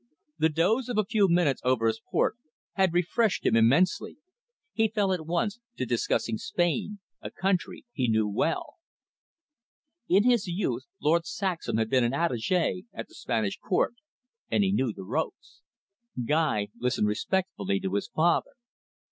The doze of a few minutes over his port had refreshed him immensely. He fell at once to discussing Spain, a country he knew well. In his youth, Lord Saxham had been an attache at the Spanish Court, and he knew the ropes. Guy listened respectfully to his father.